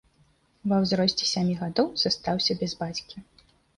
Ва ўзросце сямі гадоў застаўся без бацькі.